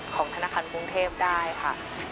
ของธนาคารกรุงเทพได้ค่ะ